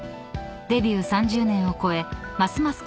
［デビュー３０年を超えますます